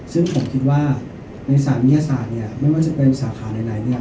ซึ่งผมคิดว่าในสารวิทยาศาสตร์เนี่ยไม่ว่าจะเป็นสาขาไหนเนี่ย